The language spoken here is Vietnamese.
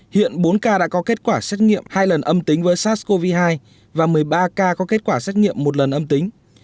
hiện bốn ca đã có kết quả xét nghiệm hai lần âm tính với sars cov hai và một mươi ba ca có kết quả xét nghiệm một lần âm tính